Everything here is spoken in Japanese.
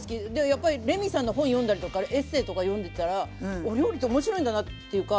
やっぱりレミさんの本読んだりとかエッセーとか読んでたらお料理って面白いんだなっていうか。